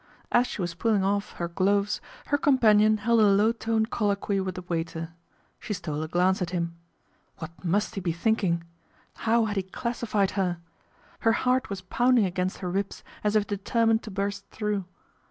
As she was pulling off her gloves her companion held a low toned colloquy with the waiter. She stole a glance at him. What must he be think ing ? How had he classified her ? Her heart was pounding against her ribs as if determined to burst through.